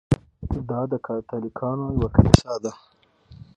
دا د کاتولیکانو یوه کلیسا ده.